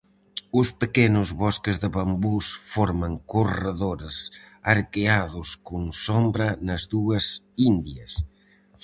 Os pequenos bosques de bambús forman corredores arqueados con sombra nas dúas Indias.